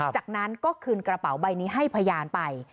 จากนั้นก็คืนกระเป๋าใบนี้ให้พยานไป